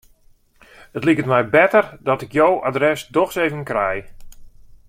It liket my better dat ik jo adres dochs even krij.